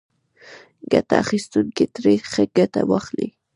ګټه اخیستونکي ترې ښه ګټه واخلي.